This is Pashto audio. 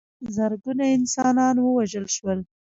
زرګونه انسانان ووژل شول.